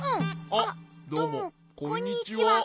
あっどうもこんにちは。